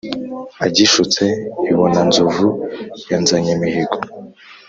agishutse i bonanzovu ya nzanyimihigo.